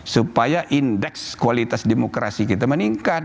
supaya indeks kualitas demokrasi kita meningkat